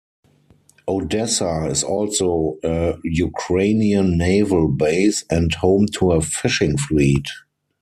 Odessa is also a Ukrainian naval base and home to a fishing fleet.